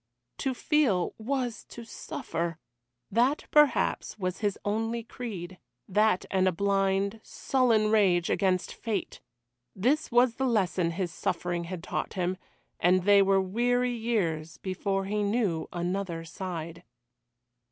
To feel was to suffer! That perhaps was his only creed; that and a blind, sullen rage against fate. This was the lesson his suffering had taught him, and they were weary years before he knew another side.